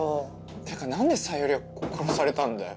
てか何でさゆりは殺されたんだよ？